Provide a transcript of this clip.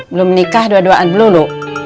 belum menikah dua duaan dulu